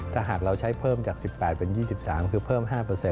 ถ้าหากเราใช้เพิ่มจาก๑๘เป็น๒๓คือเพิ่ม๕